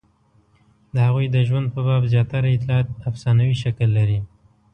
د هغوی د ژوند په باب زیاتره اطلاعات افسانوي شکل لري.